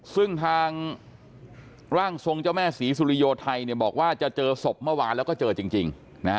ซึ่งทางร่างทรงเจ้าแม่ศรีสุริโยไทยบอกว่าจะเจอศพเมื่อวานแล้วก็เจอจริง